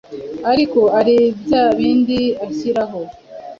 ariko ari bya bindi ashyiraho